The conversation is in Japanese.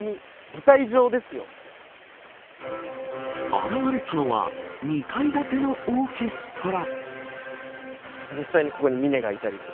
現れたのは２階建てのオーケストラ。